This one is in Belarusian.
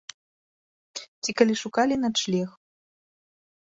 Ці калі шукалі начлег.